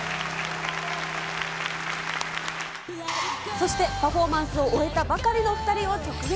そして、パフォーマンスを終えたばかりの２人を直撃。